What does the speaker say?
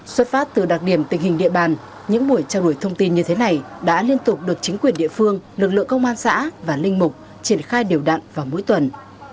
xuất phát từ đặc điểm tình hình địa bàn những buổi trao đổi thông tin như thế này đã liên tục được chính quyền địa phương lực lượng công an xã và linh mục triển khai đều đặn vào mỗi tuần